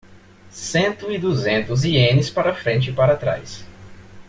Cento e duzentos ienes para frente e para trás